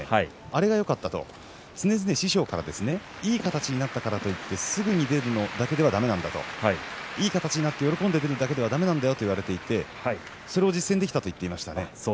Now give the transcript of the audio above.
あれがよかったと常々、師匠からいい形になったからといってすぐに出るだけではだめなんだいい形になって喜んで出るだけではだめなんだよと言われていて、それを実践できたと言っていましたね。